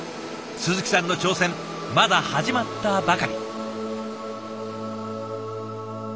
鈴木さんの挑戦まだ始まったばかり。